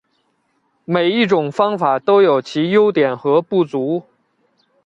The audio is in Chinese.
每一种方法都有其优点和不足。